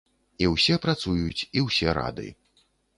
І ўсе працуюць, і ўсе рады.